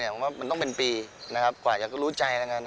ผมว่ามันต้องเป็นปีกว่าจะรู้ใจ